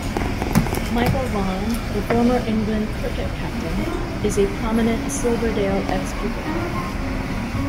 Michael Vaughan, the former England cricket captain, is a prominent Silverdale ex-pupil.